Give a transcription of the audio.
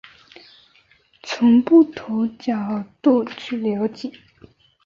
从不同角度去了解